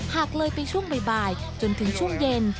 หากเลยไปช่วงบ่ายจนถึงช่วงเย็น